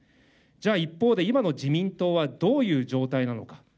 じゃあ一方で、今の自民党はどういう状態なのか。